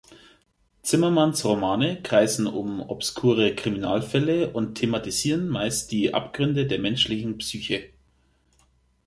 Zimmermanns Romane kreisen um obskure Kriminalfälle und thematisieren meist die Abgründe der menschlichen Psyche.